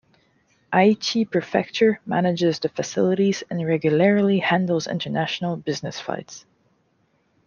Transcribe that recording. Aichi Prefecture manages the facilities and regularly handles international business flights.